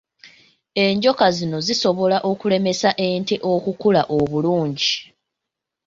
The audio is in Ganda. Enjoka zino zisobola okulemesa ente okukula obulungi.